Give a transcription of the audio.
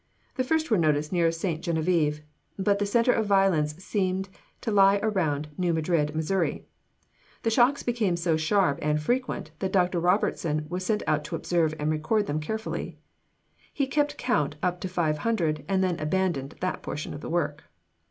The first were noticed near St. Genevieve, but the center of violence seemed to lie around New Madrid, Mo. The shocks became so sharp and frequent that Dr. Robertson was sent out to observe and record them carefully. He kept count up to five hundred, and then abandoned that portion of the work.